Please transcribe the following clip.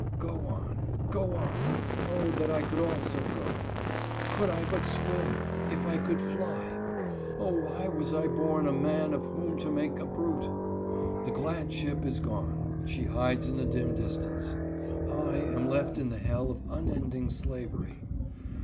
Go on, go on ; 0, that I could also go ! Could I but swim ! If I could fly ! 0, why was I born a man, of whom to make a brute ! The glad ship is gone : she hides in the dim distance. I am left in the hell of unending slavery.